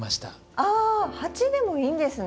あっ鉢でもいいんですね。